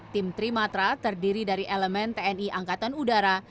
tim trimatra terdiri dari elemen tni angkatan udara